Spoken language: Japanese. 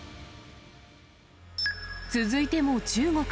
続いても中国。